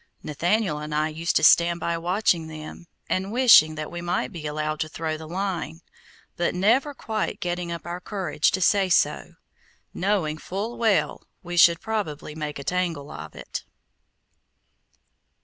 Nathaniel and I used to stand by watching them, and wishing that we might be allowed to throw the line, but never quite getting up our courage to say so, knowing full well we should probably make a tangle of it.